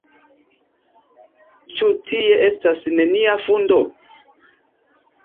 Ĉu tie estas nenia fundo?